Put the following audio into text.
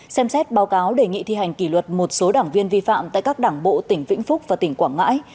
xem xét báo cáo đề nghị thi hành kỷ luật một số đảng viên vi phạm tại các đảng bộ tỉnh vĩnh phúc và tỉnh quảng ngãi